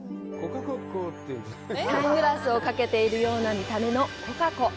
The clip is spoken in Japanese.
サングラスをかけているような見た目のコカコ。